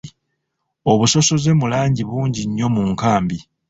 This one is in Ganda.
Obusosoze mu langi bungi nnyo mu nkambi.